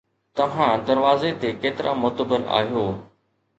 توهان دروازي تي ڪيترا معتبر آهيو